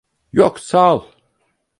Yok, sağ ol.